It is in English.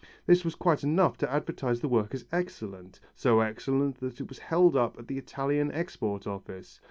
This was quite enough to advertise the work as excellent, so excellent that it was held up at the Italian Export Office.